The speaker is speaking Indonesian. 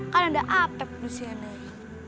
kan ada apep nusia nek